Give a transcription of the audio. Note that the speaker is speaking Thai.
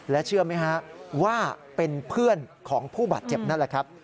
เชื่อไหมฮะว่าเป็นเพื่อนของผู้บาดเจ็บนั่นแหละครับ